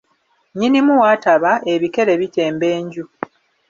Nnyinimu w’ataba, ebikere bitemba enju.